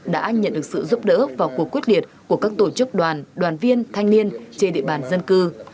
đã nhận được sự giúp đỡ và cuộc quyết liệt của các tổ chức đoàn đoàn viên thanh niên trên địa bàn dân cư